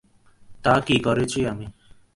তা কি আমি করেছি?